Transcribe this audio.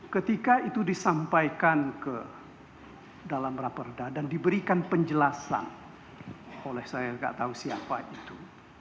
ketika itu disampaikan ke dalam raperda dan diberikan penjelasan oleh saya nggak tahu siapa itu